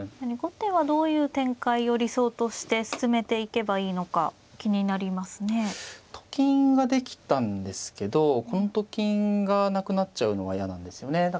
後手はどういう展開を理想として進めていけばいいのか気になりますね。と金ができたんですけどこのと金がなくなっちゃうのは嫌なんですよね。